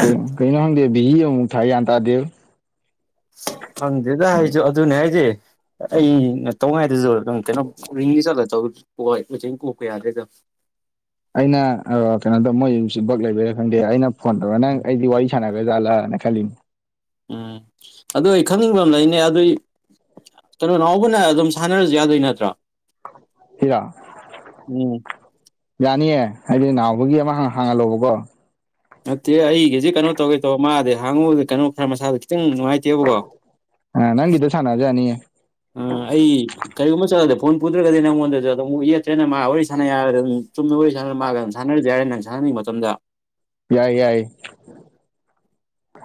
ꯀꯩ ꯀꯩꯅꯣ ꯈꯪꯗꯦ ꯕꯤꯖꯤ ꯑꯃꯨꯛ ꯊꯥꯏ ꯒ꯭ꯌꯥꯟ ꯇꯥꯗꯦꯕ ꯈꯪꯗꯦꯗ ꯑꯩꯁꯨ ꯑꯗꯨꯅꯦ ꯍꯥꯏꯗꯤ ꯑꯩꯅ ꯇꯧꯉꯥꯏꯗꯁꯨ ꯅꯪ ꯀꯩꯅꯣ ꯔꯤꯡꯒꯤ ꯆꯠꯂ ꯃꯆ ꯀꯣꯛꯄ ꯌꯥꯗ꯭ꯔꯦꯗ ꯑꯩꯅ ꯀꯩꯅꯣꯗꯧ ꯃꯣꯏꯁꯤ ꯕꯛ ꯂꯩꯕꯔꯥ ꯈꯪꯗꯦ ꯑꯩꯅ ꯐꯣꯟ ꯇꯧꯔꯒ ꯅꯪ ꯑꯩꯗꯤ ꯋꯥꯔꯤ ꯁꯥꯅꯒꯖꯥꯠꯂꯥꯅ ꯈꯜꯂꯤꯅꯤ ꯎꯝ ꯑꯗꯣ ꯑꯩ ꯈꯪꯅꯤꯡꯕ ꯑꯃ ꯂꯩꯅꯦ ꯑꯗꯨꯏ ꯀꯩꯅꯣ ꯅꯥꯎꯕꯅ ꯑꯗꯨꯝ ꯁꯥꯟꯅꯔꯁꯨ ꯌꯥꯗꯣꯏ ꯅꯠꯇ꯭ꯔꯣ [unintelligible] ꯎꯝ ꯌꯥꯅꯤꯌꯦ ꯍꯥꯏꯗꯤ ꯅꯥꯎꯕꯒꯤ ꯑꯃ ꯍꯥꯡꯍꯜꯂꯣꯕꯀꯣ ꯅꯠꯇꯦ ꯑꯩꯒꯤꯁꯤ ꯀꯩꯅꯣ ꯇꯧꯒꯦ ꯇꯧꯕ ꯃꯥꯗꯤꯦ ꯍꯥꯡꯉꯨꯗ ꯀꯩꯅꯣ ꯈꯔ ꯃꯁꯥꯗ ꯈꯤꯇꯪ ꯅꯨꯡꯉꯥꯏꯇꯦꯕꯀꯣ ꯑ ꯅꯪꯒꯤꯗꯨ ꯁꯥꯟꯅꯔꯁꯨ ꯌꯥꯅꯤꯌꯦ ꯑ ꯑꯩ ꯀꯔꯤꯒꯨꯝꯕ ꯆꯠꯂꯗ ꯐꯣꯟ ꯄꯨꯗ꯭ꯔꯒꯗꯤ ꯅꯉꯣꯟꯗꯁꯨ ꯑꯗꯨꯝ ꯑꯃꯨꯛ ꯌꯦꯛꯇ꯭ꯔꯦꯅ ꯃꯥ ꯋꯥꯔꯤ ꯁꯥꯅ ꯌꯥꯔꯒ ꯑꯗꯨꯝ ꯆꯨꯝꯅ ꯋꯥꯔꯤ ꯁꯥꯅꯔ ꯃꯥ ꯁꯥꯟꯅꯔꯁꯨ ꯌꯥꯔꯦ ꯅꯪ ꯁꯥꯟꯅꯤꯡꯕ ꯃꯇꯝꯗ ꯌꯥꯏ ꯌꯥꯏ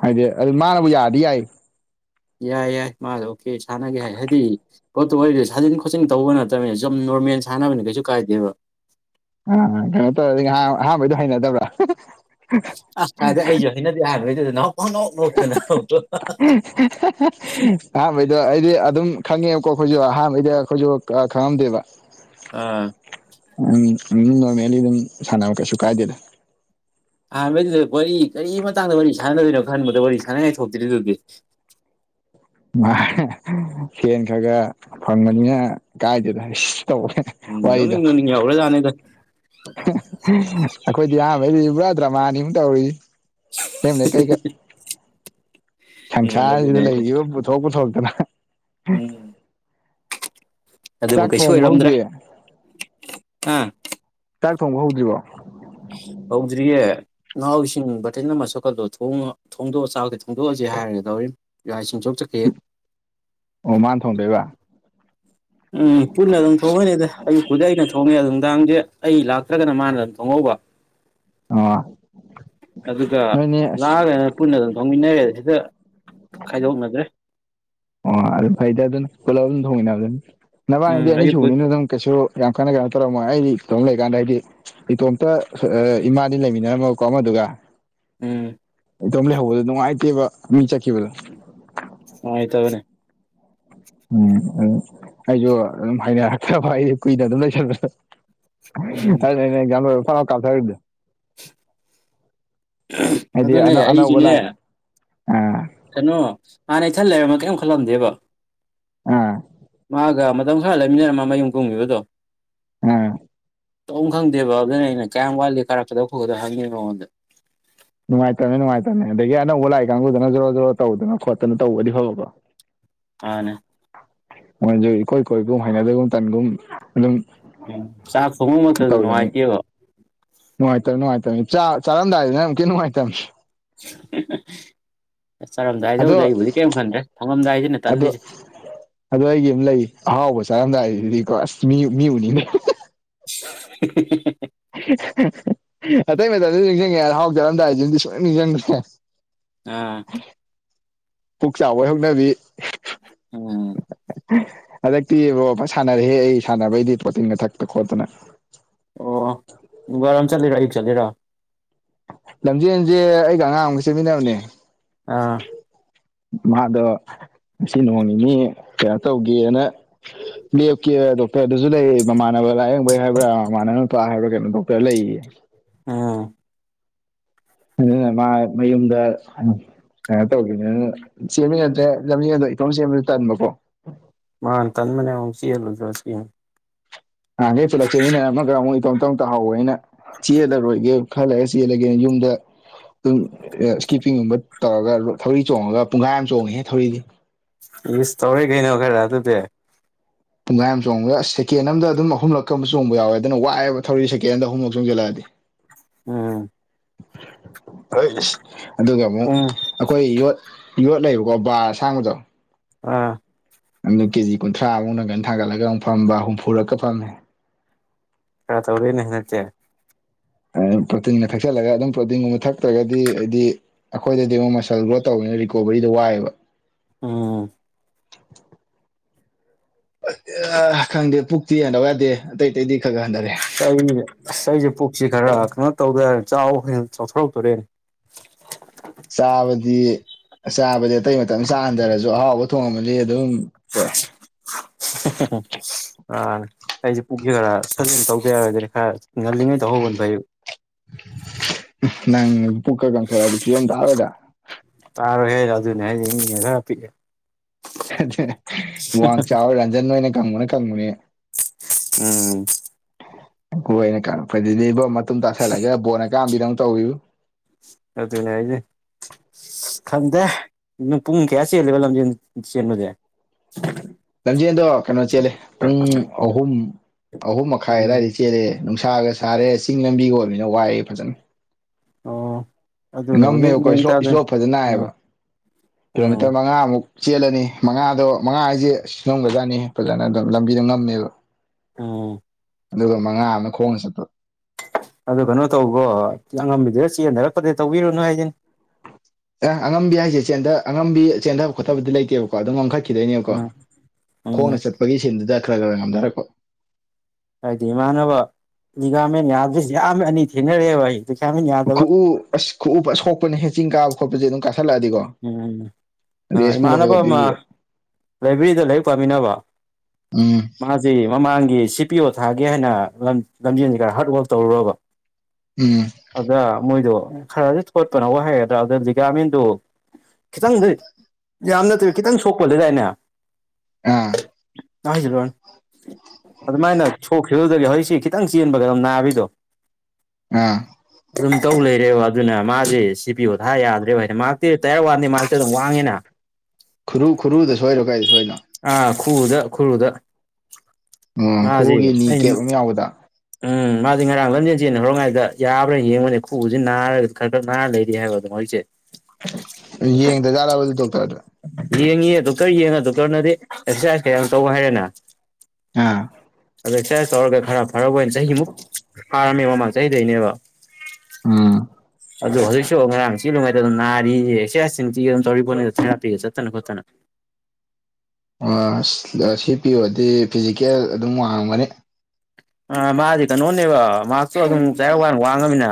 ꯍꯥꯏꯗꯤ ꯑꯗꯨ ꯃꯥꯅꯕꯨ ꯌꯥꯔꯗꯤ ꯌꯥꯏ ꯌꯥꯏ ꯌꯥꯏ ꯃꯥꯗꯣ ꯑꯣꯀꯦ ꯁꯥꯟꯅꯒꯦ ꯍꯥꯏ ꯍꯥꯏꯗꯤ ꯄꯣꯠꯇꯣ ꯑꯣꯏꯔꯗꯤ ꯁꯥꯖꯤꯟ ꯈꯣꯠꯆꯤꯟ ꯇꯧꯕ ꯅꯠꯇꯕꯅꯤꯅ ꯁꯨꯝ ꯌꯥꯝ ꯅꯣꯔꯃꯦꯜ ꯁꯥꯟꯅꯕꯅꯤ ꯀꯩꯁꯨ ꯀꯥꯏꯗꯦꯕ ꯑ ꯀꯩꯅꯣ ꯇꯧꯔꯗꯤ ꯉꯍꯥꯟ ꯑꯍꯥꯟꯕꯩꯗꯣ ꯍꯩꯅꯗꯕ꯭ꯔꯥ ꯑ ꯍꯥꯏꯗꯤ ꯑꯩꯁꯨ ꯍꯩꯅꯗꯦ ꯑꯍꯥꯟꯕꯩ ꯗꯨꯗꯤ ꯅꯣꯛꯄꯗ ꯄꯥꯡ ꯅꯣꯛ ꯅꯣꯛꯇꯅ ꯀꯣ ꯑꯍꯥꯟꯕꯩꯗꯣ ꯑꯩꯗꯤ ꯑꯗꯨꯝ ꯈꯪꯉꯦꯕꯀꯣ ꯑꯩꯈꯣꯏꯁꯨ ꯑꯍꯥꯟꯕꯩꯗ ꯑꯩꯈꯣꯏꯁꯨ ꯈꯪꯉꯝꯗꯦꯕ ꯑꯥ ꯎꯝ ꯎꯝ ꯅꯣꯔꯃꯦꯜꯗꯤ ꯑꯗꯨꯝ ꯁꯥꯅꯕ ꯀꯩꯁꯨ ꯀꯥꯏꯗꯦꯗ ꯑꯍꯥꯟꯕꯩꯗꯨꯗ ꯋꯥꯔꯤ ꯀꯔꯤ ꯃꯇꯥꯡꯗ ꯋꯥꯔꯤ ꯁꯥꯟꯅꯗꯣꯏꯅꯣ ꯈꯟꯕꯗ ꯋꯥꯔꯤ ꯁꯥꯟꯅꯉꯥꯏ ꯊꯣꯛꯇ꯭ꯔꯤ ꯗꯨꯗꯤ ꯑꯥ ꯁꯦꯟ ꯈꯔ ꯈꯔ ꯐꯪꯕꯅꯤꯅ ꯀꯥꯏꯗꯦꯗ ꯇꯧꯕ ꯎꯝ ꯅꯣꯛꯅꯤꯡ ꯅꯣꯛꯅꯤꯡꯕ ꯌꯥꯎ ꯒꯔꯖꯥꯠꯅꯤꯗ ꯑꯩꯈꯣꯏꯗꯤ ꯑꯍꯥꯟꯕꯩꯗꯤ ꯄꯨꯔꯥ ꯗ꯭ꯔꯃꯥꯅꯤꯃꯨ ꯇꯧꯔꯤꯁꯦ [unintelligible] ꯎꯝ ꯑꯗꯨꯅꯦ ꯁꯪꯁꯥꯔꯁꯤꯗ ꯍꯥꯏꯁꯦ ꯂꯩꯔꯤꯕ ꯄꯨꯊꯣꯛ ꯄꯨꯊꯣꯛꯇꯅ ꯎꯝ ꯑꯗꯨꯕꯨ ꯆꯥꯛ ꯀꯩꯁꯨ ꯊꯣꯡꯕ ꯑꯣꯏꯔꯝꯗ꯭ꯔꯦ ꯍꯧꯗ꯭ꯔꯤ ꯑꯥ ꯆꯥꯛ ꯊꯣꯡꯕ ꯍꯧꯗ꯭ꯔꯤꯕꯣ ꯍꯧꯗ꯭꯭ꯔꯤꯌꯦ ꯅꯥꯎꯁꯤꯡ ꯕꯥꯇꯤꯜꯒ ꯑꯃ ꯁꯣꯛꯀꯠꯂꯣ ꯊꯣꯡꯗꯣꯛꯑ ꯆꯥꯛ ꯊꯣꯡꯗꯣꯛꯑꯁꯤ ꯍꯥꯏꯒꯦ ꯇꯧꯔꯤꯅꯤ ꯌꯥ ꯏꯁꯤꯡ ꯁꯣꯛꯄ ꯆꯠꯈꯤ ꯑꯣ ꯃꯥꯟꯅ ꯊꯣꯡꯗꯣꯏꯕ ꯎꯝ ꯄꯨꯟꯅ ꯑꯗꯨꯝ ꯊꯣꯡꯉꯅꯤꯗ ꯑꯌꯨꯛꯄꯨꯗꯤ ꯑꯩꯅ ꯊꯣꯡꯉꯦ ꯅꯨꯡꯗꯥꯡꯗꯤ ꯑꯩ ꯂꯥꯛꯇ꯭ꯔꯒꯅ ꯃꯥꯅ ꯑꯗꯨꯝ ꯊꯣꯡꯍꯧꯕ ꯑꯣ ꯑꯗꯨꯒ ꯅꯣꯏꯅꯦ ꯑꯁ ꯂꯥꯛꯑꯒꯅ ꯄꯨꯟꯅ ꯑꯗꯨꯝ ꯊꯣꯡꯃꯤꯟꯅꯔꯦ ꯁꯤꯗ ꯈꯥꯏꯗꯣꯛꯅꯗ꯭ꯔꯦ ꯑꯣ ꯑꯗꯨ ꯐꯩꯗ ꯑꯗꯨꯅ ꯄꯨꯂꯞ ꯑꯗꯨꯝ ꯊꯣꯡꯃꯤꯟꯅꯕ ꯑꯗꯨꯅꯤ ꯎꯝ ꯅꯕꯥꯅꯤꯗꯤ ꯑꯌꯨꯛꯄꯨ ꯑꯅꯤꯁꯨꯨꯕꯅꯤꯅ ꯑꯗꯨꯝ ꯀꯩꯁꯨ ꯌꯥꯝ ꯀꯟꯅ ꯀꯩꯅꯣ ꯇꯧꯔꯝꯃꯣꯏ ꯑꯩꯗꯤ ꯏꯇꯣꯝ ꯂꯩꯀꯥꯟꯗ ꯍꯥꯏꯗꯤ ꯏꯇꯣꯝꯇ ꯏꯕꯥꯥꯅꯤ ꯂꯩꯃꯤꯟꯅꯔꯝꯃꯕꯀꯣ ꯑꯃꯗꯨꯒ ꯎꯝ ꯏꯇꯣꯝ ꯂꯩꯍꯧꯕꯗꯣ ꯅꯨꯡꯉꯥꯏꯇꯦꯕ ꯃꯤ ꯆꯠꯈꯤꯕꯗꯣ ꯅꯨꯉꯥꯏꯇꯕꯅꯦ ꯎꯝ ꯑꯗꯨ ꯑꯩꯁꯨ ꯑꯗꯨꯝ ꯍꯥꯏꯩꯅꯔꯛꯇꯕ ꯑꯩꯁꯨ ꯀꯨꯏꯅ ꯑꯗꯨꯝ ꯂꯩꯁꯟꯕ ꯎꯝ ꯑꯗꯨꯏꯅꯦ ꯑꯩꯅ ꯑꯦꯛꯖꯥꯝ ꯂꯣꯏꯕꯒ ꯐꯠ ꯀꯞꯊꯔꯤꯗꯣ ꯍꯥꯏꯗꯤ ꯑꯗꯨꯅꯦ ꯑꯅꯧ ꯑꯅꯧꯕ ꯑꯩꯁꯨꯅꯦ ꯂꯥꯛ ꯑꯦ ꯀꯩꯅꯣ ꯍꯥꯟꯅ ꯏꯊꯟ ꯂꯩꯔꯝꯕ ꯀꯩꯝ ꯈꯜꯂꯝꯗꯦꯕ ꯑꯥ ꯃꯥꯒ ꯃꯇꯝ ꯈꯔ ꯂꯩꯃꯤꯟꯅꯔꯝꯃꯒ ꯃꯌꯨꯝ ꯀꯨꯝꯕꯤꯕꯗꯣ ꯑꯥ ꯇꯧꯕꯝ ꯈꯪꯗꯦꯕ ꯑꯗꯨꯅ ꯑꯩꯅ ꯀꯌꯥꯝ ꯋꯥꯠꯂꯤ ꯀꯥꯔꯛꯀꯗꯕ ꯈꯣꯠ ꯀꯗꯕ ꯍꯥꯏꯅꯤ ꯃꯉꯣꯟꯗ ꯅꯨꯡꯉꯥꯏꯇꯕꯅꯦ ꯅꯨꯡꯉꯥꯏꯇꯕꯅꯦ ꯑꯗꯒꯤ ꯑꯅꯧꯕ ꯂꯥꯛꯏ ꯀꯥꯡꯕꯨꯗꯨꯅ ꯖꯣꯔꯣ ꯖꯣꯔꯣ ꯇꯧꯗꯅ ꯈꯣꯠꯇꯅ ꯇꯧꯕꯗꯤ ꯐꯕ ꯀꯣ ꯃꯥꯅꯦ ꯃꯣꯏꯁꯨ ꯏꯀꯣꯏ ꯀꯣꯏꯒꯨꯝ ꯍꯩꯅꯗꯒꯨꯝ ꯇꯟꯒꯨꯝ ꯑꯗꯨꯝ ꯎꯝ ꯆꯥꯛ ꯊꯣꯡꯕꯃꯛꯇꯁꯨ ꯇꯧꯗꯕꯅꯤ ꯅꯨꯡꯉꯥꯏꯇꯦꯕꯣ ꯅꯨꯡꯉꯥꯏꯇꯕꯅꯤ ꯅꯨꯡꯉꯥꯏꯇꯕꯅꯤ ꯆꯥꯔꯝꯗꯥꯏꯗꯅ ꯑꯃꯨꯛꯀ ꯍꯦꯟꯅ ꯅꯨꯡꯉꯥꯏꯇꯕꯅꯤꯅꯦ ꯑꯗꯣ ꯆꯥꯔꯝꯗꯥꯏꯗꯕꯨꯗ ꯑꯩꯕꯨꯗꯤ ꯀꯔꯤꯝ ꯈꯟꯗ꯭ꯔꯦ ꯊꯣꯡꯉꯝꯗꯥꯏꯁꯤꯅ ꯑꯗꯣ ꯇꯜꯂꯤꯁꯦ ꯑꯗꯣ ꯑꯩꯒꯤ ꯑꯃ ꯂꯩ ꯑꯍꯥꯎꯕ ꯆꯥꯔꯝꯗꯥꯏꯁꯤꯗꯤꯀꯣ ꯑꯁ ꯃꯤ ꯎꯅꯤꯅꯦ [unintelligible] ꯑꯇꯩ ꯃꯇꯝꯗ ꯅꯤꯡꯁꯤꯡꯉꯦ ꯍꯥꯏꯅ ꯍꯥꯎꯖꯔꯝꯗꯥꯏꯁꯤꯗꯤ ꯁꯨꯡꯅ ꯅꯤꯡꯁꯤꯡꯗ꯭ꯔꯦ ꯑꯥ ꯄꯨꯛ ꯆꯥꯕ ꯍꯧꯅꯕꯤ ꯑꯣꯝ ꯍꯟꯗꯛꯇꯤ ꯕꯕꯥꯕ ꯁꯥꯟꯅꯔꯍꯦ ꯑꯩ ꯁꯥꯟꯅꯕꯩꯗꯤ ꯄꯣꯇꯤꯟꯒ ꯊꯛꯇ ꯈꯣꯠꯇꯅ ꯑꯣ ꯔꯝ ꯆꯠꯂꯦꯔ ꯑꯌꯛ ꯆꯠꯂꯦꯔ ꯂꯝꯖꯦꯟꯁꯦ ꯑꯩꯒ ꯑꯉꯥꯡ ꯑꯃꯒ ꯆꯦꯟꯃꯤꯟꯅꯕꯅꯦ ꯑꯥ ꯃꯥꯗ ꯉ ꯅꯣꯡ ꯅꯤꯅꯤ ꯀꯩꯅꯣ ꯇꯧꯒꯦꯅ ꯂꯦꯞꯀꯦ ꯗꯣꯛꯇꯔ ꯑꯗꯨꯁꯨ ꯂꯩ ꯃꯃꯥꯟꯅꯕ ꯂꯥꯏꯌꯦꯡꯕꯩ ꯍꯥꯏꯕ꯭ꯔꯥ ꯃꯃꯥꯟꯅꯕ ꯅꯨꯄꯥ ꯍꯥꯏꯕ꯭ꯔꯥ ꯀꯩꯅꯣ ꯗꯣꯛꯇꯔ ꯂꯩꯌꯦ ꯎꯝ ꯃꯥ ꯃꯌꯨꯝꯗ ꯑ ꯇꯧꯤꯅꯦ ꯁꯦꯝꯃꯤꯟꯅꯠꯇ꯭ꯔꯦ ꯂꯝꯖꯗꯣ ꯏꯇꯣ ꯁꯦꯝꯕꯗ ꯇꯟꯕꯀꯣ ꯃꯥ ꯇꯟ ꯃꯅꯦ ꯑꯣꯪꯁꯤꯜꯨ ꯖꯁꯤ ꯅꯍꯥꯟꯈꯩ ꯄꯨꯂꯞ ꯆꯦꯃꯤꯟꯅꯔ ꯑꯃ ꯈꯔ ꯑꯃꯨꯛ ꯏꯧꯝ ꯇꯧ ꯇꯥꯍꯧꯋ ꯑꯩꯅ ꯆꯦꯜꯂꯔꯣꯏꯒꯦ ꯈꯜꯂꯔ ꯆꯦꯜꯂꯒꯦ ꯌꯨꯝꯗ ꯑꯗꯨꯝ ꯏꯁꯀꯤꯞꯄꯤꯡꯒꯨꯝꯕ ꯇꯧꯔꯒ ꯊꯧꯔꯤ ꯆꯣꯡꯉꯒ ꯄꯨꯡꯈꯥꯏ ꯑꯃ ꯆꯣꯡꯉꯤꯍꯦ ꯊꯧꯔꯤꯗꯤ ꯏꯁ ꯇꯧꯋꯦꯒꯩꯅꯩꯅ ꯈꯔ ꯑꯗꯨꯗꯤ ꯄꯨꯡꯈꯥꯏ ꯑꯃ ꯆꯣꯡꯕꯗ ꯁꯦꯦꯟ ꯑ ꯑꯃꯗ ꯑꯗꯨꯝ ꯑꯍꯨꯝꯂꯛꯀ ꯆꯣꯡ ꯌꯥꯎꯋꯦ ꯑꯗꯨꯅ ꯋꯥꯑꯕ ꯊꯧꯔꯤ ꯁꯦꯀꯦꯟ ꯑꯃꯗ ꯑꯍꯨꯝꯂꯛ ꯆꯣꯡ ꯆꯜꯂꯛꯑꯗꯤ ꯎꯝ ꯍ ꯑꯗꯨꯒ ꯑꯃꯨꯛ ꯄꯨꯡ ꯑꯩꯈꯣꯏ ꯌꯣꯠ ꯌꯣꯠ ꯂꯩꯕꯀꯣ ꯕꯥꯔ ꯑꯁꯥꯡꯕꯗꯣ ꯑ ꯅꯪꯗ ꯀꯦꯖꯤ ꯀꯨꯟꯊ꯭ꯔꯥꯃꯨꯛ ꯅꯪꯒꯟ ꯊꯥꯡꯒꯠꯂꯒ ꯑꯃꯨꯛ ꯐꯝꯕ ꯍꯨꯝꯐꯨꯔꯛꯀ ꯐꯝꯃꯦ ꯀꯔ ꯇꯧꯔꯤꯅꯦ ꯍ ꯅꯠꯇꯦ ꯄ꯭ꯔꯣꯇꯤꯟꯒ ꯊꯛꯆꯜꯂꯒ ꯑꯗꯨꯝ ꯄ꯭ꯔꯣꯇꯤꯟꯒꯨꯝꯕ ꯊꯛꯇ꯭ꯔꯒꯗꯤ ꯍꯥꯏꯗꯤ ꯑꯩꯈꯣꯏꯗꯗꯤ ꯑꯃꯨꯛ ꯃꯁꯜ ꯒ꯭ꯔꯣꯠ ꯇꯧꯕꯅꯤꯅ ꯔꯤꯀꯣꯕꯔꯤꯗ ꯋꯥꯏꯑꯕ ꯑꯣ ꯑ ꯈꯪꯗꯦ ꯄꯨꯛꯇꯤ ꯍꯟꯊꯕ ꯌꯥꯗꯦ ꯑꯇꯩ ꯑꯇꯩꯗꯤ ꯈꯔ ꯈꯔ ꯍꯟꯊꯔꯦ ꯑꯩ ꯑꯁ ꯑꯩꯁꯦ ꯄꯨꯛꯁꯤ ꯈꯔ ꯀꯩꯅꯣ ꯇꯧꯗ ꯌꯔꯣꯏ ꯆꯥꯎ ꯍꯦꯟ ꯆꯥꯎꯊꯣꯔꯛꯇꯣꯔꯦꯅꯦ ꯆꯕꯗꯤ ꯆꯥꯕꯗꯤ ꯑꯇꯩ ꯃꯇꯝ ꯆꯥ ꯍꯟꯊꯔꯁꯨ ꯑꯍꯥꯎꯕ ꯊꯣꯡꯃꯗꯤ ꯑꯗꯨꯝ ꯇꯣꯛꯑꯦ [unintelligible] ꯑꯩꯁꯦ ꯄꯨꯛꯁꯦ ꯈꯔ ꯐꯖꯅ ꯇꯧꯗꯦ ꯌꯥꯔꯒꯗꯤ ꯈꯔ ꯉꯜꯂꯤꯉꯩ ꯇꯧꯍꯧꯕꯅ ꯐꯩ ꯅꯪ ꯄꯨꯛꯀ ꯀꯪ ꯊꯣꯔꯑꯗꯤ ꯐꯤꯕꯝ ꯇꯥꯔꯣꯏꯗ ꯇꯥꯔꯣꯏꯍꯦ ꯑꯗꯨꯅꯦ ꯍꯥꯏꯗꯤꯅꯦ ꯃꯤꯅꯒ ꯈꯔ ꯄꯤꯛꯑꯦ ꯋꯥꯡ ꯆꯥꯎꯋ ꯔꯟꯖꯟ ꯍꯣꯏꯅ ꯀꯪꯕꯅ ꯀꯪꯕꯅꯦ ꯎꯝ ꯑꯩꯈꯣꯏꯅ ꯀꯪꯉꯪꯛꯄꯖꯤꯕꯣ ꯃꯇꯨꯡ ꯇꯥꯁꯜꯂꯒ ꯕꯣꯟ ꯑꯀꯥꯝꯕꯤꯗꯧ ꯇꯧꯋꯤꯕꯨ ꯅꯠꯇꯦꯅꯦ ꯑꯩꯗꯤ ꯈꯪꯗꯦ ꯑꯗꯨ ꯄꯨꯡ ꯀꯌꯥ ꯆꯦꯜꯂꯦꯕ ꯂꯝꯖꯦꯟ ꯆꯦꯟꯕꯗꯤ [unintelligible] ꯂꯝꯖꯦꯜꯗꯣ ꯀꯩꯅꯣ ꯆꯦꯜꯂꯦ ꯄꯨꯡ ꯑꯍꯨꯝ ꯑꯍꯨꯝ ꯃꯈꯥꯏ ꯎꯝ ꯑꯗꯥꯏꯗꯩ ꯆꯦ ꯆꯦꯜꯂꯑꯦ ꯅꯨꯡꯁꯥꯒ ꯁꯥꯔꯦ ꯆꯤꯡ ꯂꯝꯕꯤꯒ ꯑꯣꯏꯕꯅꯤꯅ ꯋꯥꯏꯌꯦ ꯐꯖꯅ ꯑꯣ ꯑꯗꯨꯅ ꯍꯧꯖꯤꯛ ꯉꯝꯃꯦꯕꯀꯣ ꯃꯦꯟ ꯏꯁꯣꯞ ꯇꯥꯗꯣꯏꯅꯤ ꯏꯁ꯭ꯂꯣꯞ ꯐꯖꯅ ꯅꯥꯏꯌꯦꯕ ꯎꯝ ꯀꯤꯂꯣꯃꯤꯇꯔ ꯃꯉꯥꯃꯨꯛ ꯆꯦꯜꯂꯅꯤ ꯃꯉꯥꯗꯣ ꯃꯉꯥ ꯍꯥꯏꯁꯦ ꯅꯝꯒꯖꯥꯠꯅꯤ ꯐꯖꯅ ꯑꯗꯨꯝ ꯂꯝꯕꯤꯗꯣ ꯉꯝꯃꯦꯕ ꯑꯣ ꯑꯗꯨꯒ ꯃꯉꯥ ꯑꯃꯅ ꯈꯣꯡꯅ ꯆꯠꯄ ꯑꯗꯨ ꯀꯩꯅꯣ ꯇꯧꯕꯣ ꯑꯉꯝꯕꯤꯗꯨꯗ ꯆꯦꯟꯊꯔꯛꯄꯗ ꯇꯧꯕꯤꯔꯨꯅꯨ ꯍꯥꯏꯁꯤꯅꯤ ꯑꯦ ꯑꯉꯝꯕꯤ ꯍꯥꯏꯖꯦ ꯆꯦꯟꯗ ꯑꯉꯝꯕꯤ ꯆꯦꯟꯊꯕ ꯈꯣꯊꯕꯗꯤ ꯂꯩꯇꯦꯕ ꯀꯣ ꯑꯗꯨꯝ ꯉꯝꯈꯠꯈꯤꯗꯣꯏꯅꯦꯕꯀꯣ ꯎꯝ ꯎꯝ ꯈꯣꯡꯅ ꯆꯠꯄꯒꯤ ꯁꯤꯟꯗꯨꯗ ꯈꯔ ꯈꯔ ꯉꯝꯊꯔꯛꯄ ꯍꯥꯏꯗꯤ ꯏꯃꯥꯟꯅꯕ ꯂꯤꯒꯥꯔꯃꯦꯟ ꯌꯥꯗꯦ ꯌꯥꯝ ꯑꯅꯤ ꯊꯦꯡꯅꯔꯛꯑꯦꯕ ꯑꯩ ꯂꯤꯒꯥꯃꯦꯟ ꯌꯥꯗꯕ ꯈꯨꯎ ꯑꯁ ꯈꯨꯎ ꯐꯖꯟ ꯁꯣꯛꯄꯅꯦꯍꯦ ꯆꯤꯡ ꯀꯥꯕ ꯈꯣꯠꯄꯖꯦ ꯑꯗꯨꯝ ꯀꯥꯥꯁꯜꯂꯛꯑꯗꯤꯀꯣ ꯎꯝ ꯏꯃꯥꯟꯅꯕ ꯑꯃ ꯄꯤꯕꯤꯕ ꯂꯥꯏꯕ꯭ꯔꯦꯔꯤꯗ ꯂꯥꯏꯔꯤꯛ ꯄꯥꯝꯃꯤꯟꯅꯕ ꯎꯝ ꯃꯥꯖꯤ ꯃꯃꯥꯡꯒꯤ ꯁꯤ ꯄꯤ ꯑꯣ ꯊꯥꯒꯦ ꯍꯥꯏꯅ ꯂꯝꯖꯦꯟꯖꯦ ꯈꯔ ꯍꯥꯔꯗ ꯋꯥꯔꯛ ꯇꯧꯔꯨꯔꯕ ꯎꯝ ꯑꯗ ꯃꯣꯏꯗꯣ ꯈꯔꯗꯤ ꯊꯣꯠꯄꯅ ꯋꯥ ꯍꯥꯏꯩꯒꯗ꯭ꯔꯥ ꯑꯗꯨꯗ ꯚꯤꯇꯥꯃꯤꯟꯗꯨ ꯈꯤꯇꯪꯗꯤ ꯌꯥꯝ ꯅꯠꯇ꯭ꯔꯦ ꯈꯤꯇꯪ ꯁꯣꯛꯄꯗꯗꯥꯏꯅꯦ ꯑꯥ [unintelligible] ꯑꯗꯨ ꯃꯥꯏꯅ ꯁꯣꯛ ꯐꯤꯔꯜꯗꯒꯤ ꯍꯧꯖꯤꯛꯁꯤ ꯈꯤꯇꯪ ꯆꯦꯟꯕꯒ ꯗꯨꯝ ꯅꯥꯕꯤꯗꯣ ꯑꯥ ꯑꯗꯨꯝ ꯇꯧ ꯂꯩꯔꯦꯕ ꯑꯗꯨꯅ ꯃꯥꯖꯦ ꯁꯤ ꯄꯤ ꯑꯣ ꯊꯥ ꯌꯥꯗ꯭ꯔꯦꯕ ꯍꯥꯏꯅ ꯃꯥ ꯇꯝ ꯇꯌꯥꯌꯔ ꯋꯥꯟꯗꯤ ꯃꯥꯔꯛꯇꯤ ꯑꯗꯨꯝ ꯋꯥꯡꯉꯦꯅ ꯈꯨꯔꯨ ꯈꯨꯔꯨꯗ ꯁꯣꯏꯔꯣ ꯀꯥꯏꯗ ꯁꯣꯏꯅꯣ ꯑꯥ ꯈꯎꯨꯗ ꯈꯨꯔꯨꯗ ꯎꯝ ꯈꯨꯎꯨꯒꯤ ꯃꯥꯁꯦ ꯅꯤ ꯑꯩ ꯀꯦꯕ ꯑꯃ ꯌꯥꯎꯕꯗꯣ ꯎꯝ ꯃꯥꯗꯤ ꯉꯔꯥꯡ ꯂꯝꯖꯦꯜ ꯆꯦꯜ ꯍꯧꯔꯤꯛꯉꯥꯏꯗ ꯌꯥꯕ꯭ꯔꯥ ꯌꯦꯡꯕꯅꯦ ꯈꯨꯎꯖꯤ ꯅꯥꯔꯒ ꯈꯔ ꯈꯔ ꯅꯥꯔ ꯂꯩꯔꯤ ꯍꯥꯏꯕ ꯑꯗꯣ ꯍꯧꯖꯤꯛꯁꯦ ꯌꯦꯡꯗ ꯖꯥꯠꯂꯕ ꯑꯗꯨ ꯗꯣꯛꯇꯥꯔꯗ ꯌꯦꯡꯉꯌꯦ ꯗꯣꯛꯇꯔ ꯌꯦꯡꯉ ꯗꯣꯛꯇꯔꯅꯗꯤ ꯑꯦꯛꯁꯔꯁꯥꯏꯁ ꯀꯥ ꯌꯥꯝ ꯇꯧ ꯍꯥꯏꯔꯦꯅ ꯑꯥ ꯑꯗ ꯑꯦꯛꯁꯔꯁꯥꯏꯁ ꯇꯧꯔꯒ ꯈꯔ ꯐꯔꯕꯣꯏꯅ ꯆꯍꯤꯃꯨꯛ ꯐꯥꯔꯝꯃꯦ ꯃꯃꯥꯡ ꯆꯍꯤꯗꯩꯅꯦꯕ ꯎꯝ ꯑꯗꯨ ꯍꯧꯖꯤꯛꯁꯨ ꯉꯔꯥꯡ ꯆꯦꯂꯨꯉꯥꯏꯗ ꯑꯗꯨꯝ ꯅꯥꯔꯤ [unintelligible] ꯑꯗꯨꯝ ꯇꯧꯔꯤ ꯄꯣꯠꯅꯤ ꯊꯦꯔꯥꯄꯤꯒ ꯆꯠꯇꯅ ꯈꯣꯠꯇꯅ ꯑꯥ ꯁꯤ ꯄꯤ ꯑꯣꯗꯤ ꯐꯤꯖꯤꯀꯦꯜ ꯑꯗꯨꯝ ꯋꯥꯡꯉꯝꯒꯅꯤ ꯑ ꯃꯥꯗꯤ ꯀꯩꯅꯣꯅꯦꯕ ꯃꯔꯛꯇꯣ ꯑꯗꯨꯝ ꯇꯌꯥꯔ ꯋꯥꯟ ꯋꯥꯡꯉꯃꯤꯅ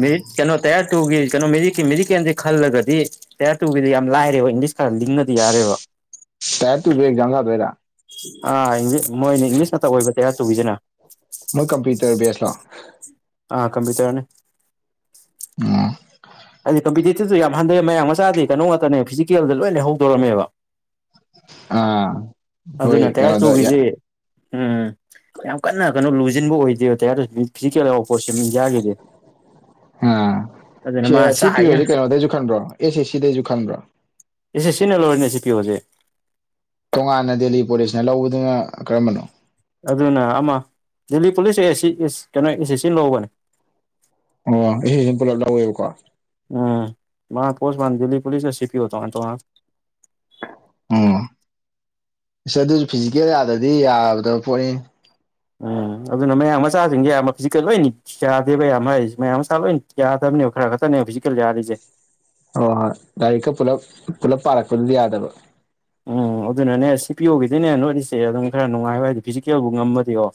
ꯃꯦꯔꯤꯠ ꯀꯩꯅꯣ ꯇꯌꯥꯔ ꯇꯧꯒꯤ ꯀꯩꯅꯣ ꯃꯦꯔꯤ ꯀꯤꯝ ꯃꯦꯔꯤ ꯀꯦꯟꯗꯤ ꯈꯜꯂꯒꯗꯤ ꯇꯌꯥꯔ ꯇꯨꯒꯤꯗꯤ ꯌꯥꯝ ꯂꯥꯏꯔꯦꯕ ꯏꯪꯂꯤꯁ ꯈꯔ ꯂꯤꯡꯉꯗꯤ ꯌꯥꯔꯦꯕ ꯇ꯭ꯌꯥꯔ ꯇꯨꯖꯨ ꯑꯦꯛꯖꯥꯝ ꯊꯥꯗꯣꯏꯔ ꯑꯥ ꯏ ꯃꯣꯏꯅ ꯏꯪꯂꯤꯁ ꯉꯥꯛꯇ ꯑꯣꯏꯕ ꯇ꯭ꯌꯥꯔ ꯇꯨꯒꯤꯖꯤꯅ ꯃꯣꯏ ꯀꯝꯄꯌꯨꯇꯔ ꯕꯦꯁ ꯂꯣ ꯑꯥ ꯀꯝꯄ꯭ꯌꯨꯇꯔꯅꯤ [unintelligible] ꯍꯥꯏꯗꯤ ꯀꯝꯄꯤꯇꯤꯇꯤꯞꯇꯣ ꯌꯥꯝ ꯍꯟꯊꯩ ꯃꯌꯥꯝ ꯃꯆꯥꯗꯤ ꯀꯩꯅꯣ ꯉꯥꯛꯇꯅꯦ ꯐꯤꯖꯤꯀꯦꯜꯗ ꯂꯣꯏꯅ ꯂꯩꯗꯣꯔꯝꯃꯦꯕ ꯑꯥ [inaudible] ꯑꯗꯨ ꯅ ꯍꯣꯏ ꯇꯌꯥꯔ ꯀꯩꯅꯣꯗ ꯇꯨꯒꯤꯖꯤ ꯎꯝ ꯌꯥꯝ ꯀꯟꯅ ꯀꯩꯅꯣ ꯂꯨꯖꯤꯟꯕ ꯑꯣꯏꯗꯦꯕ ꯇꯌꯥꯔ ꯇꯨ ꯐꯤꯖꯤꯀꯦꯜ ꯌꯥꯎꯕ ꯄꯣꯠꯁꯤꯅꯤ ꯏꯟꯗꯤꯌꯥꯒꯤꯗꯤ [unintelligible] ꯑꯗꯨꯅ ꯃꯥ ꯆꯥꯏꯌꯦ ꯄꯤꯔꯨꯔꯁꯦ ꯀꯩꯅꯣꯗꯩꯖꯨ ꯈꯟꯕ꯭ꯔꯣ ꯑꯦꯁ ꯑꯦꯁ ꯁꯤꯗꯩꯁꯨ ꯈꯟꯕ꯭ꯔꯣ ꯑꯦꯁ ꯁꯤ ꯁꯤ ꯅ ꯂꯧꯔꯤꯅꯦ [unintelligible] ꯇꯣꯉꯥꯟꯅ ꯗꯦꯜꯂꯤ ꯄꯨꯂꯤꯁꯅ ꯂꯧꯕꯗꯨꯅ ꯀꯔꯝꯕꯅꯣ ꯑꯗꯨꯅ ꯑꯃ ꯗꯦꯜꯂꯤ ꯄꯨꯂꯤꯁ ꯑꯦ ꯁꯤ ꯀꯩꯅꯣ ꯑꯦꯁ ꯑꯦꯁ ꯁꯤ ꯂꯧꯕꯅꯦ ꯑꯣ ꯑꯦꯁ ꯁꯤ ꯁꯤ ꯄꯨꯂꯞ ꯂꯧꯋꯦꯕꯀꯣ ꯎꯝ ꯃꯥ ꯄꯣꯁ ꯃꯥ ꯗꯤꯜꯂꯤ ꯄꯨꯂꯤꯁ ꯁꯤ ꯄꯤ ꯑꯣ ꯇꯣꯉꯥꯟ ꯇꯣꯉꯥꯟ ꯂꯦ ꯑꯝ ꯏꯁꯁ ꯑꯗꯨꯁꯨ ꯐꯤꯖꯤꯀꯦꯜ ꯌꯥꯗ꯭ꯔꯗꯤ ꯌꯥꯗꯕ ꯄꯣꯠꯅꯤꯅꯦ ꯎꯝ ꯑꯗꯨꯅ ꯃꯌꯥꯡ ꯃꯆꯥꯖꯤꯡꯖꯦ [unintelligible] ꯌꯥꯥꯗꯦꯕꯩ ꯌꯥꯝ ꯍꯥꯏ ꯃꯌꯥꯝ ꯁꯇꯥꯞ ꯂꯣꯏ ꯌꯥꯗꯕꯅꯦ ꯈꯔ ꯈꯛꯇꯅꯦ ꯐꯤꯖꯤꯛꯀꯦꯜ ꯌꯥ ꯍꯣꯏ ꯍꯣꯏ ꯂꯥꯏꯔꯤꯛꯀ ꯄꯨꯂꯞ ꯄꯨꯂꯞ ꯄꯥꯔꯛꯄꯗꯨꯗ ꯌꯥꯗꯕ ꯎꯝ ꯑꯗꯨꯅꯅꯦ ꯁꯤ ꯄꯤ ꯑꯣꯒꯤꯗꯤꯅꯦ ꯅꯣꯠꯔꯤꯁꯦ ꯑꯗꯨꯝ ꯈꯔ ꯅꯨꯡꯉꯥꯏꯕ ꯍꯥꯏꯗꯤ ꯐꯤꯖꯤꯀꯦꯜꯕꯨ ꯉꯝꯃꯗꯤ ꯑꯣꯣ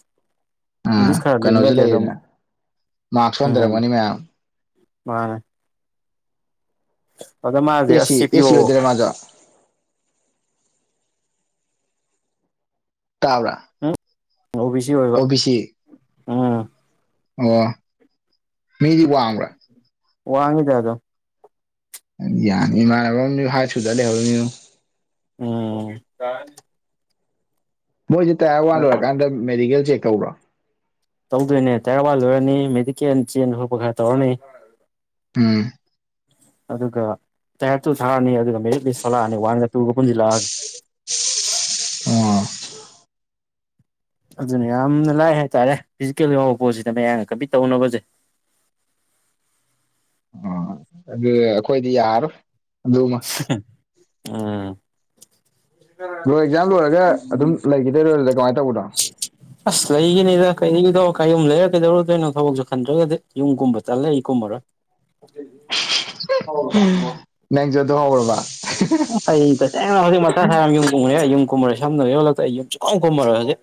ꯎꯝ ꯏꯪꯂꯤꯁ ꯈꯔ ꯀꯩꯅꯣꯁꯨ ꯂꯤꯡꯉꯗꯤ ꯑꯗꯨꯝ ꯂꯩꯔꯤꯅꯦ [inaudible] ꯃꯥꯔꯛꯁꯨ [unintelligible] ꯍꯟꯊꯔꯝꯒꯅꯤ ꯃꯌꯥꯝ ꯃꯥꯅꯦ ꯑꯗ ꯃꯥ ꯑꯦꯁ ꯁꯤ ꯑꯦꯁ ꯁꯤ ꯑꯣꯏꯗꯣꯏꯔ ꯃꯥꯖꯨ ꯇꯥꯕ꯭ꯔꯥ ꯎꯝ ꯑꯣ ꯕꯤ ꯁꯤ ꯑꯣꯏꯕ ꯑꯣ ꯕꯤ ꯁꯤ ꯎꯝ ꯑꯣ [inaudible] ꯃꯤꯗꯤ ꯋꯥꯡꯕ꯭ꯔꯥ ꯋꯥꯡꯉꯤꯗ ꯑꯗꯨꯝ ꯌꯥꯅꯤ ꯏꯃꯥꯥꯟꯅꯕ ꯑꯃꯖꯨ ꯍꯥꯏꯠ ꯁꯨꯗꯅ ꯂꯩꯍꯧꯔꯤꯃꯤꯅꯤ [unintelligible] ꯃꯣꯏꯖꯦ ꯇꯌꯥꯔ ꯋꯥꯟ ꯂꯣꯏꯔꯀꯥꯟꯗ ꯃꯦꯗꯤꯀꯦꯜ ꯆꯦꯛ ꯇꯧꯕ꯭ꯔꯣ ꯇꯧꯗꯣꯏꯅꯦ ꯇꯌꯥꯔ ꯋꯥꯟ ꯂꯣꯏꯔꯅꯤ ꯃꯦꯗꯤꯀꯦꯜ ꯆꯦꯟ ꯈꯣꯠꯄ ꯈꯔ ꯇꯧꯔꯅꯤ ꯎꯝ ꯑꯗꯨꯒ ꯇꯌꯥꯔ ꯇꯨ ꯊꯥꯔꯅꯤ ꯑꯗꯨꯒ ꯃꯦꯔꯤꯠ ꯂꯤꯁ ꯊꯣꯛꯂꯛꯑꯅꯤ ꯋꯥꯟꯒ ꯇꯨꯒ ꯄꯨꯟꯖꯤꯜꯂꯛꯑꯒ [unintelligible] ꯑꯗꯨꯅ ꯌꯥꯝꯅ ꯂꯥꯏ ꯍꯥꯏꯇꯥꯔꯦ ꯐꯤꯖꯤꯀꯦꯜ ꯌꯥꯎꯕ ꯄꯣꯠꯁꯤꯗ ꯃꯌꯥꯝꯅ ꯀꯝꯄꯤ ꯇꯧꯅꯕꯁꯦ ꯑꯣ ꯑꯗꯨ ꯑꯩꯈꯣꯏꯗꯤ ꯌꯥꯔꯔꯣꯏ ꯑꯗꯨꯃ [unintelligible] ꯂꯣꯏ ꯑꯦꯛꯖꯥꯝ ꯂꯣꯏꯔꯒ ꯑꯗꯨꯝ ꯂꯩꯈꯤꯗꯣꯏꯔꯣ ꯑꯗꯨꯗ ꯀꯃꯥꯏꯅ ꯇꯧꯕꯅꯣ ꯑꯁ ꯂꯩꯒꯤꯅꯤꯗ ꯀꯩꯗꯣ ꯀꯔꯤ ꯌꯨꯝ ꯂꯩꯔ ꯀꯩꯗꯧꯔꯗꯣꯏꯅꯣ ꯊꯕꯛꯁꯨ ꯈꯟꯗ꯭ꯔꯒꯗꯤ ꯌꯨꯝ ꯀꯨꯝꯕ ꯇꯟꯂꯦ ꯑꯩ ꯀꯨꯝꯃꯔꯣꯏ ꯅꯪꯖꯨ ꯑꯗꯣ ꯍꯧꯔꯕ ꯑꯩ ꯇꯁꯦꯡꯅ ꯍꯧꯖꯤꯛ ꯃꯊꯥ ꯁꯥꯏ ꯌꯥꯝ ꯌꯨꯝ ꯀꯨꯝꯒꯅꯤ ꯈꯟꯕꯗ ꯑꯩ ꯌꯨꯝ ꯀꯨꯝꯃꯔꯦ ꯁꯝꯅꯔ ꯌꯣꯂꯛꯇ ꯑꯩ ꯌꯨꯝ ꯁꯨꯡꯀꯨꯝ ꯀꯨꯝꯃꯔꯣꯏ ꯍꯧꯖꯤꯛ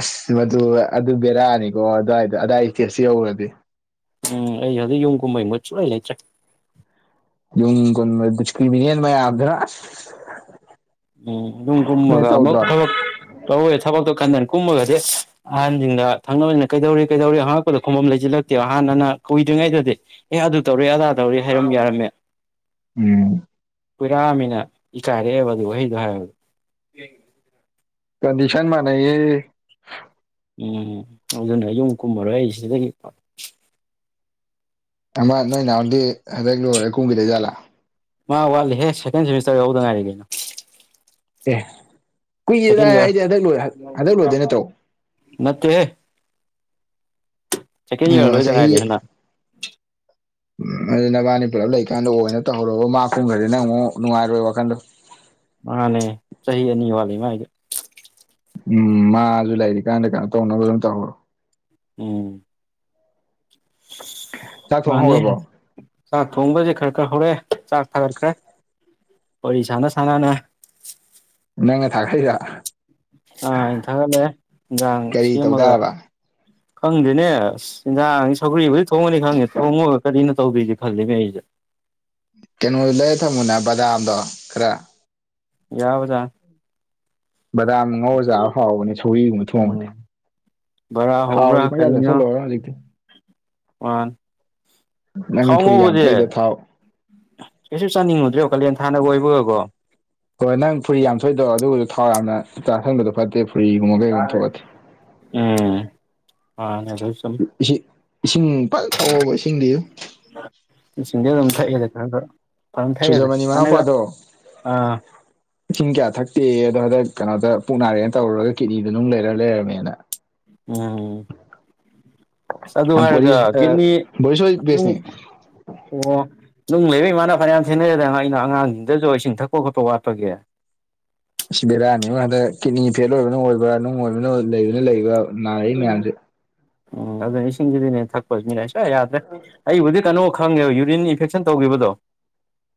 ꯑꯁ ꯃꯗꯨ ꯑꯗꯨ ꯕꯦꯔꯛꯑꯅꯤꯀꯣ ꯑꯗꯨꯋꯥꯏꯗꯣ ꯑꯋꯥꯏ ꯏꯁꯇꯦꯠꯁꯨ ꯌꯧꯔꯗꯤ ꯎꯝ ꯑꯩ ꯍꯧꯖꯤꯛ ꯌꯨꯝ ꯀꯨꯝꯕꯩꯏ ꯃꯨꯠ ꯁꯨꯡꯂꯩ ꯂꯩꯇ꯭ꯔꯦ ꯌꯨꯝ ꯀꯨꯝꯕꯩꯏ ꯗꯤꯁꯀ꯭ꯔꯤꯃꯤꯅꯦꯟ ꯃꯌꯥꯝꯗꯨꯅ ꯎꯝ ꯑꯗꯨꯝ ꯅꯣꯏ ꯀꯨꯝꯃꯒ ꯑꯃꯨꯛ ꯇꯧꯗ꯭ꯔꯣ ꯊꯕꯛ ꯇꯧꯋꯦ ꯊꯕꯛꯇꯣ ꯈꯟꯗꯅ ꯀꯨꯝꯃꯒꯗꯤ ꯑꯍꯟꯁꯤꯡꯅ ꯊꯪꯅꯕꯅꯤꯅ ꯀꯩꯗꯧꯔꯤ ꯀꯩꯗꯧꯔꯤ ꯑꯉꯛꯄꯣ ꯈꯣꯡꯐꯝꯝ ꯂꯩꯁꯤꯜꯂꯛꯇꯦꯕ ꯍꯥꯟꯅ ꯀꯨꯏꯗ꯭ꯔꯤꯉꯩꯗꯗꯤ ꯑꯦ ꯑꯗꯨ ꯇꯧꯔ ꯑꯗꯥ ꯇꯧꯔꯤ ꯍꯥꯏꯔꯝ ꯌꯥꯔꯝꯃꯦ ꯎꯝ ꯀꯨꯔꯥꯃꯤꯅ ꯏꯀꯥꯏꯔꯛꯑꯦꯕ ꯑꯗꯨ ꯋꯥꯍꯩꯗꯣ ꯍꯥꯏꯕꯗ ꯀꯟꯗꯤꯁꯟ ꯃꯥ ꯅꯌꯦ꯫ ꯎꯝ ꯑꯗꯨꯅ ꯌꯨꯝ ꯀꯨꯝꯃꯔꯣꯏ ꯑꯩ ꯁꯤꯗꯒꯤ꯫ ꯑꯃ ꯅꯣꯏ ꯅꯍꯥꯟꯗꯤ ꯍꯗꯛ ꯂꯣꯏꯔꯒ ꯀꯨꯝꯒꯤ ꯂꯩꯖꯥꯠꯂꯥ꯫ ꯃꯥ ꯋꯥꯠꯂꯤꯍꯦ ꯁꯦꯀꯦꯟ ꯁꯃꯤꯁꯇꯔ ꯌꯥꯎꯗ ꯉꯥꯏꯔꯤ ꯀꯩꯅꯣ꯫ ꯑꯦ ꯀꯨꯏꯌꯦꯦꯗ ꯁꯦꯀꯦꯟ ꯏꯌꯥꯔ ꯑꯩꯗꯤ ꯍꯟꯗꯛ ꯂꯣꯏ ꯍꯟꯗꯛ ꯂꯣꯏꯗꯣꯏ ꯅꯠꯇ꯭ꯔꯣ ꯅꯠꯇꯦꯍꯦ꯫ ꯁꯦꯀꯦꯟ ꯏꯌꯥꯔ ꯑꯣ ꯂꯣꯏꯗ ꯆꯍꯤ ꯉꯥꯏꯔꯤ ꯍꯟꯗꯛ ꯎꯝ ꯅꯕꯥꯅꯤ ꯄꯨꯂꯞ ꯂꯩꯀꯥꯟꯗ ꯑꯣꯏꯅ ꯇꯧꯔꯕ ꯃꯥ ꯀꯨꯝꯈ꯭ꯔꯗꯤ ꯅꯪ ꯑꯃꯨꯛ ꯅꯨꯡꯉꯥꯏꯔꯣꯏ ꯋꯥꯈꯟꯗꯣ ꯃꯥꯥꯟꯅꯦ ꯆꯍꯤ ꯑꯅꯤ ꯋꯥꯠꯂꯤ ꯃꯥꯏꯗ ꯎꯝ ꯃꯥꯁꯨ ꯂꯩꯔꯤ ꯀꯥꯟꯗ ꯀꯩꯅꯣ ꯇꯧꯅꯕ ꯑꯗꯨꯝ ꯇꯧꯔꯣ꯫ ꯎꯝ ꯆꯥꯛ ꯊꯣꯡ ꯃꯥꯅꯤ ꯍꯧꯔꯕꯣ ꯆꯥꯛ ꯊꯣꯡꯕꯁꯦ ꯈꯔ ꯈꯔ ꯍꯧꯔꯦ ꯆꯥꯛ ꯊꯥꯒꯠꯈ꯭ꯔꯦ꯫ ꯋꯥꯔꯤ ꯁꯥꯟꯅ ꯁꯥꯟꯅꯅ ꯅꯪꯅ ꯇꯥꯀꯊꯩꯔ ꯑꯥ ꯑ ꯊꯥꯒꯠꯂꯦ ꯌꯦꯟꯖꯥꯡ ꯀꯔꯤ ꯁꯦꯝꯃꯒ ꯇꯧꯇꯥꯔꯕ ꯈꯪꯗꯦꯅꯦ ꯑ ꯆꯤꯟꯖꯥꯡ ꯁꯧꯒ꯭ꯔꯤꯕꯗꯤ ꯊꯣꯡꯉꯅꯤ ꯈꯪꯉꯦ ꯊꯣꯡꯉꯒ ꯀꯔꯤꯅ ꯇꯧꯗꯔꯤꯒ ꯈꯜꯂꯤꯅꯦ ꯑꯩꯁꯦ꯫ ꯀꯩꯅꯣ ꯂꯩꯔ ꯊꯝꯃꯨꯅꯦ ꯕꯖꯥꯝꯗꯣ ꯈꯔ ꯌꯥꯎꯕꯖꯥꯇꯅꯤ꯫ ꯕꯗꯥꯝ ꯉꯧ ꯆꯥꯕ ꯍꯥꯎꯕꯅꯦ ꯁꯧꯔꯤꯒꯨꯝꯕ ꯊꯣꯡꯉꯗꯤ꯫ ꯎꯝ ꯕꯔꯥ ꯍꯧꯕ꯭ꯔꯥ ꯊꯥꯎꯔꯤ ꯄ ꯀꯌꯥꯗꯁꯜꯂꯣꯔ ꯍꯧꯖꯤꯛꯇꯤ꯫ ꯑꯣꯟ ꯅꯪ ꯈꯥꯎ ꯐꯨꯔꯤ ꯌꯥꯝ ꯉꯧꯕꯗꯤ ꯊꯣꯛꯏꯗꯣ ꯊꯥꯎ ꯀꯩꯁꯨ ꯆꯥꯅꯤꯡꯉꯨꯗ꯭ꯔꯦꯕ ꯀꯥꯂꯦꯟ ꯊꯥꯅꯒ ꯑꯣꯏꯕꯒꯀꯣ ꯀꯣ ꯅꯪ ꯐꯨꯔꯤ ꯌꯥꯝ ꯊꯣꯛꯏꯗꯣ ꯑꯗꯨꯒꯤꯗꯨ ꯊꯥꯎ ꯌꯥꯝꯅ ꯆꯥꯥꯁꯤꯟꯕꯗꯣ ꯐꯠꯇꯦ ꯐꯨꯔꯤꯒꯨꯝꯕ ꯀꯩꯒꯨꯝꯕ ꯊꯣꯛꯑꯗꯤ ꯎꯝ ꯑ ꯑꯗꯨ ꯆꯨꯝꯝ ꯏꯁꯤꯡ ꯏꯁꯤꯡ ꯐꯖ ꯊꯛꯎꯕ ꯏꯁꯤꯡꯗꯤ꯫ ꯏꯁꯤꯡꯗꯤ ꯑꯗꯨꯝ ꯊꯛꯑꯦꯗ ꯈ꯭ꯔ ꯈ꯭ꯔ ꯊꯛꯑꯦꯗ ꯁꯨꯖꯃꯅꯤ ꯍꯅꯗ ꯃꯅꯥꯎꯄꯥꯗꯣ ꯑꯥ ꯏꯁꯤꯡ ꯀꯌꯥ ꯊꯛꯇꯦ ꯑꯗꯣ ꯍꯔꯦꯟ ꯀꯅꯗ ꯄꯨꯛ ꯅꯥꯔꯦꯅ ꯇꯧꯔꯨꯔꯒ ꯀꯤꯠꯅꯤꯗ ꯅꯨꯡ ꯂꯩꯔ ꯂꯩꯔꯝꯃꯦꯅ ꯎꯝ ꯑꯗꯨ ꯍꯥꯏꯔꯒ ꯕꯣꯔꯤꯁ ꯀꯤꯠꯅꯤ ꯕꯣꯔꯤꯁ ꯍꯣꯏ ꯅꯨꯡ ꯕꯦꯁꯅꯤ ꯑꯣ ꯅꯨꯡ ꯂꯩꯕ ꯏꯃꯥꯅ ꯐꯅꯌꯥꯝ ꯊꯦꯡꯅꯩꯗꯅ ꯑꯩꯅ ꯑꯉꯥꯡꯁꯤꯡꯗꯁꯨ ꯏꯁꯤꯡ ꯊꯛꯄ ꯈꯣꯠꯄ ꯋꯥꯠꯄꯒꯤ꯫ ꯁꯤ ꯕꯦꯔꯥꯅꯤ ꯍꯟꯗꯛ ꯀꯤꯅꯤ ꯐꯦꯜ ꯑꯣꯏꯕꯅ ꯑꯣꯏꯕ꯭ꯔꯥ ꯅꯨꯡ ꯑꯣꯏꯕꯅ ꯂꯩꯕꯅ ꯂꯩꯕ꯭ꯔꯥ ꯅꯥꯔꯛꯏ ꯃꯌꯥꯝꯁꯦ꯫ ꯎꯝ ꯑꯗꯨ ꯏꯁꯤꯡꯒꯤꯁꯤꯗꯤꯅꯦ ꯊꯛꯄꯁꯤꯅꯤꯅꯦ ꯁꯨꯛ ꯌꯥꯗ꯭ꯔꯦ ꯑꯩꯕꯨꯗꯤ ꯀꯩꯅꯣ ꯈꯪꯉꯦꯕ ꯌꯨꯔꯤꯟ ꯏꯟꯐꯦꯛꯁꯟ ꯇꯧꯈꯤꯕꯗꯣ